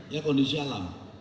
ya kondisi alam